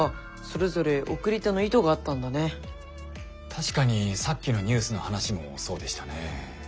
確かにさっきのニュースの話もそうでしたね。